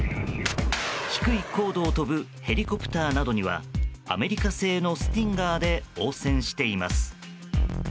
低い高度を飛ぶヘリコプターなどにはアメリカ製のスティンガーで応戦しています。